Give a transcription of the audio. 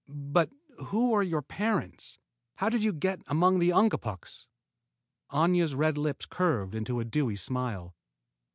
"But who are your parents, and how did you get among the Ungapuks?" Aña's red lips curved into a dewy smile.